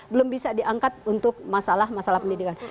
belum bisa diangkat untuk masalah masalah pendidikan